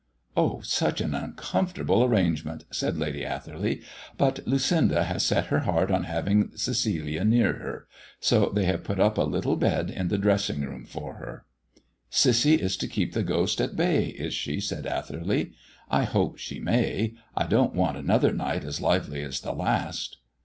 "Oh, such an uncomfortable arrangement!" said Lady Atherley. "But Lucinda has set her heart on having Cecilia near her; so they have put up a little bed in the dressing room for her." "Cissy is to keep the ghost at bay, is she?" said Atherley. "I hope she may. I don't want another night as lively as the last."